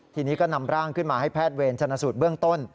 ทีนี้ก็นำร่างขึ้นมาให้แพทย์เวรชนะสูตรเบื้องต้น